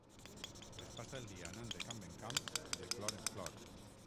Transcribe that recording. Es passa el dia anant de camp en camp i de flor en flor.